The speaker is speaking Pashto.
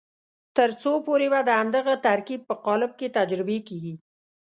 تر څو پورې به د همدغه ترکیب په قالب کې تجربې کېږي.